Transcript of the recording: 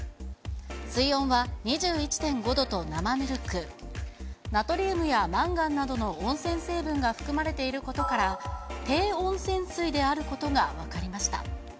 水温は２１．５度となまぬるく、ナトリウムやマンガンなどの温泉成分が含まれていることから、低温泉水であることが分かりました。